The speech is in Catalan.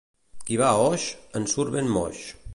Qui va a Oix en surt ben moix.